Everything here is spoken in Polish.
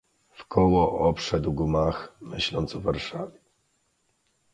"Wkoło obszedł gmach, myśląc o Warszawie."